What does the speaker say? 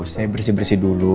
saya bersih bersih dulu